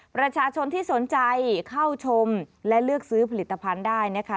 ประชาชนที่สนใจเข้าชมและเลือกซื้อผลิตภัณฑ์ได้นะคะ